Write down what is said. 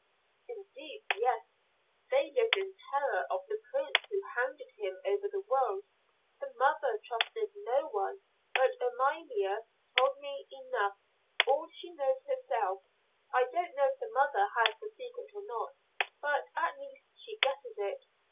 "Indeed, yes. They lived in terror of the prince who hounded him over the world. The mother trusted no one, but Amalia told me enough all she knows herself. I don't know if the mother has the secret or not, but at least she guesses it.